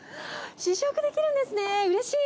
試食できるんですね、うれしい。